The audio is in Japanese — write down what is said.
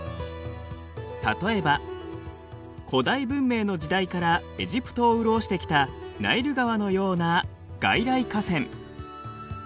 例えば古代文明の時代からエジプトを潤してきたナイル川のような外来河川。